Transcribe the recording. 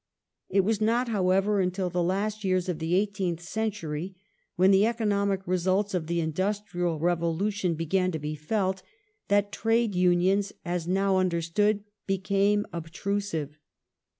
It was not, how ever, until the last years of the eighteenth century, when the economic results of the industrial revolution began to be felt, that Trade Unions, as now understood, became obtrusive.